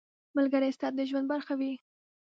ملګری ستا د ژوند برخه وي.